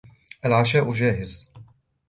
العشاء جاهز